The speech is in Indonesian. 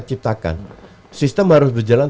ciptakan sistem harus berjalan